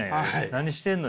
何してんのよ。